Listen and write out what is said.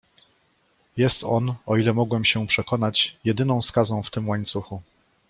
"Jest on, o ile mogłem się przekonać, jedyną skazą w tym łańcuchu."